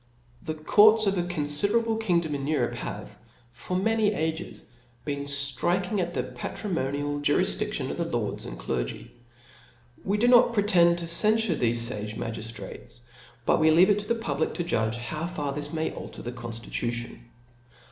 The courts of a confiderablc kingdom in Eu^ rope, have, for many ages, been ftriking at the patrimonial jurifditftion of the lords and clergy. We do not pretend to cenfure thefe fage magiftrates ; bqt we leave it to the public to judge, how fa^r ^.his m.ay alter the conftitution.